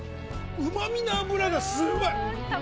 うま味の脂がすごい。